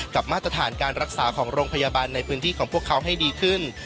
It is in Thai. มาตรฐานการรักษาของโรงพยาบาลในพื้นที่ของพวกเขาให้ดีขึ้น